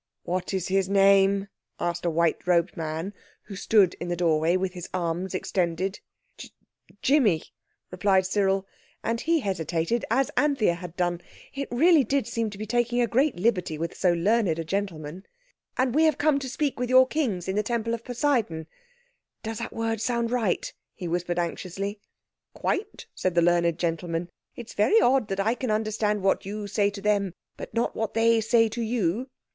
"What is his name?" asked a white robed man who stood in the doorway with his arms extended. "Ji jimmy," replied Cyril, and he hesitated as Anthea had done. It really did seem to be taking a great liberty with so learned a gentleman. "And we have come to speak with your Kings in the Temple of Poseidon—does that word sound right?" he whispered anxiously. "Quite," said the learned gentleman. "It's very odd I can understand what you say to them, but not what they say to you."